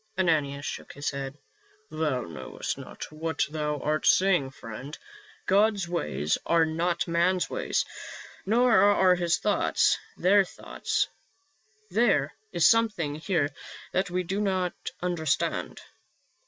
Ananias shook his head. " Thou knowest not what thou art saying, friend. God's ways are not man's ways, nor are his thoughts their thoughts. There is something here that we do not understand."